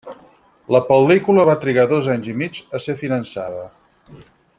La pel·lícula va trigar dos anys i mig a ser finançada.